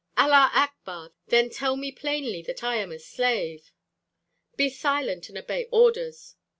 "Allah akbar! Then tell me plainly that I am a slave!" "Be silent and obey orders!"